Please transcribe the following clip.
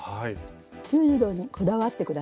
９０度にこだわって下さいね。